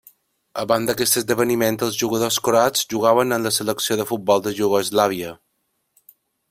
Abans d'aquest esdeveniment, els jugadors croats jugaven amb la selecció de futbol de Iugoslàvia.